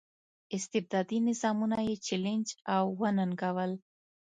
استبدادي نظامونه یې چلنج او وننګول.